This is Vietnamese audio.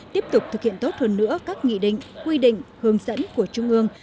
tiếp tục thực hiện tốt hơn nữa các nghị định quy định hướng dẫn của trung ương